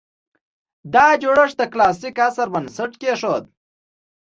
دا جوړښت د کلاسیک عصر بنسټ کېښود